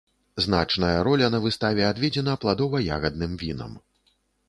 Значная роля на выставе адведзена пладова-ягадным вінам!